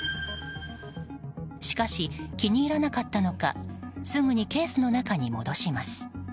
しかし気に入らなかったのかすぐにケースの中に戻します。